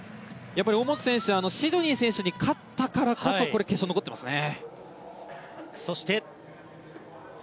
大本選手はシドニー選手に勝ったからこそ決勝に残っていますね。